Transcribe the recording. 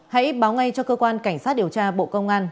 hãy báo ngay cho cơ quan cảnh sát điều tra bộ công an